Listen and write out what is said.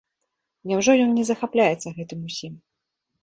Няўжо ён не захапляецца гэтым усім?